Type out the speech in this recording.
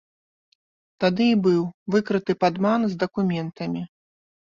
Тады і быў выкрыты падман з дакументамі.